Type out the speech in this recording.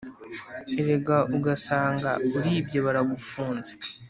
erega ugasanga uribye baragufunze